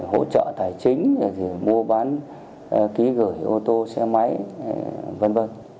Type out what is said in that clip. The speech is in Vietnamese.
hỗ trợ tài chính mua bán ký gửi ô tô xe máy v v